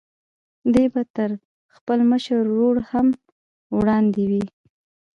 دی به تر خپل مشر ورور هم وړاندې وي.